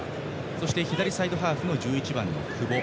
そして左サイドハーフ１１番の久保